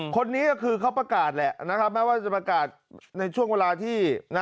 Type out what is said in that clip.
คนนี้ก็คือเขาประกาศแหละนะครับแม้ว่าจะประกาศในช่วงเวลาที่